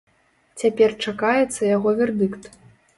Цяпер чакаецца яго вердыкт.